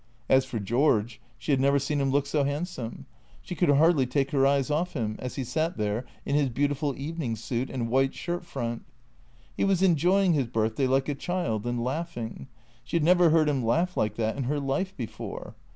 As for George, she had never seen him look so handsome. She could hardly take her eyes off him, as he sat there in his beautiful evening suit and white shirt front. He was enjoying his birthday like a child, and laughing — she had never heard him laugh like that in her life before.